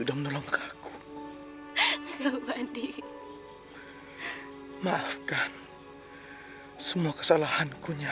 dan terhebat di tanah jauh ini